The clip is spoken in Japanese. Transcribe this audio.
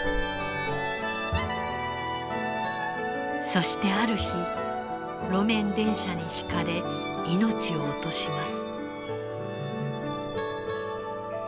そしてある日路面電車にひかれ命を落とします。